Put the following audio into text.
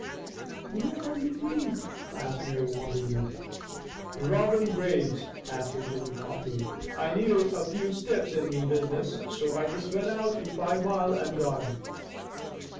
"Where have you been?" asked Mary wonderingly. "Robbin' graves," answered Jimmy promptly. "I needed a few stiffs in me business so I just went out to Five Mile and got them."